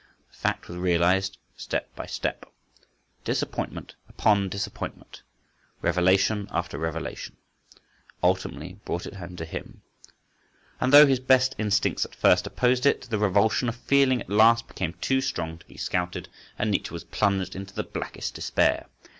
The fact was realised step by step; disappointment upon disappointment, revelation after revelation, ultimately brought it home to him, and though his best instincts at first opposed it, the revulsion of feeling at last became too strong to be scouted, and Nietzsche was plunged into the blackest despair.